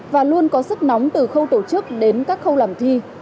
và luôn có sức nóng từ khâu tổ chức đến các khâu làm thi